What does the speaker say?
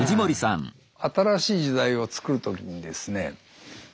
新しい時代をつくる時にですね